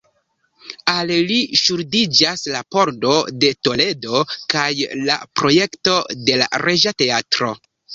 Al li ŝuldiĝas la Pordo de Toledo kaj la projekto de la Reĝa Teatro.